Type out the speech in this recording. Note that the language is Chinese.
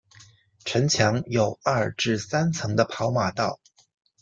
城墙有二至三层的跑马道。